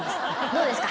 どうですか？